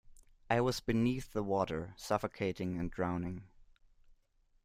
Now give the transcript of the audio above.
I was beneath the water, suffocating and drowning.